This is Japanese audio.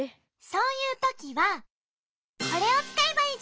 そういうときはこれをつかえばいいじゃない。